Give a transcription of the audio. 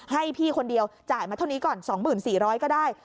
ให้พี่คนเดียวจ่ายมาเท่านี้ก่อนสองหมื่นสี่ร้อยก็ได้